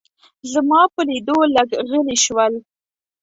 زما په لیدو لږ غلي شول.